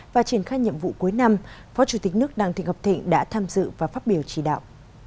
và triển khai nhiệm vụ cuối năm phó chủ tịch nước đặng thị ngọc thịnh đã tham dự và phát biểu chỉ đạo